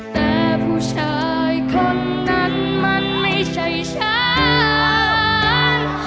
แต่ผู้ชายคนนั้นมันไม่ใช่ฉัน